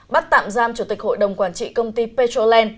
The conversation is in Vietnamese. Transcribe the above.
bắt tạm giam chủ tịch hội đồng quản trị công ty petroland